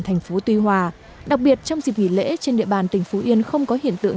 thành phố tuy hòa đặc biệt trong dịp nghỉ lễ trên địa bàn tỉnh phú yên không có hiện tượng